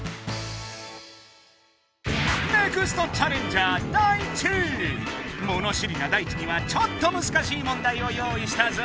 ネクストチャレンジャーもの知りなダイチにはちょっとむずかしいもんだいを用いしたぞ！